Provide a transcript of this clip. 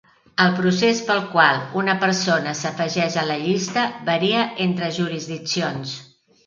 El procés pel qual una persona s'afegeix a la llista varia entre jurisdiccions.